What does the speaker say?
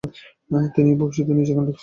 তিনি ভবিষ্যতে নিজের গান লিখতে চান।